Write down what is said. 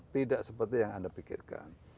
tidak seperti yang anda pikirkan